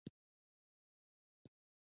د هند بازار د افغاني میوو لپاره مهم دی.